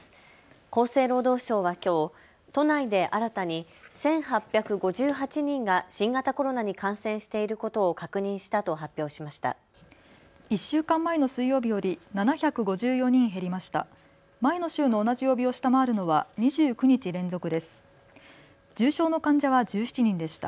厚生労働省はきょう都内で新たに１８５８人が新型コロナに感染していることを確認したと発表しました。